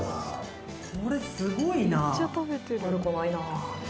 これすごいな。